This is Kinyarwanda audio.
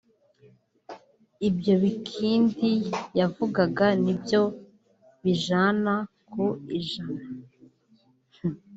ibyo Bikindi yavugaga ni byo ijana ku ijana